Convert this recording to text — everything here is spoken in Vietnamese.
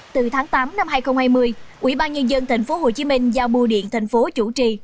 từ tháng tám năm hai nghìn hai mươi ubnd tp hcm giao bu điện tp hcm chủ trì